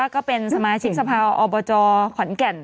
ก็เป็นสมาชิกสภาวอบจขอนแก่น